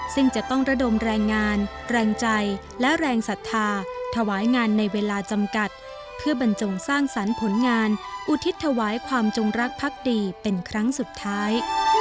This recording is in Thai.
ซึ่งจะต้องระดมแรงงานแรงใจและแรงศรัทธาถวายงานในเวลาจำกัดเพื่อบรรจงสร้างสรรค์ผลงานอุทิศถวายความจงรักพักดีเป็นครั้งสุดท้าย